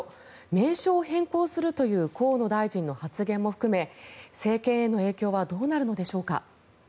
名称変更するという河野大臣の発言も含め政権への影響はどうなるのでしょうか。